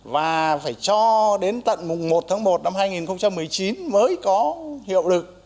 và phải cho đến tận một tháng một năm hai nghìn một mươi chín mới có hiệu lực